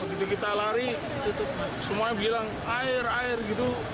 begitu kita lari semuanya bilang air air gitu